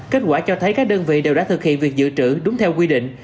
kết quả cho thấy các đơn vị đều đã thực hiện việc dự trữ đúng theo quy định